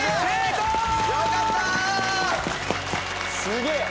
すげえ！